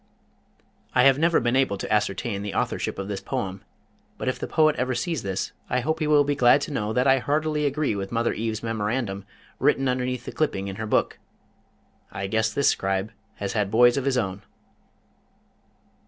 I have never been able to ascertain the authorship of this poem, but if the poet ever sees this I hope he will be glad to know that I heartily agree with Mother Eve's memorandum written underneath the clipping in her book, "I guess this scribe has had boys of his own!"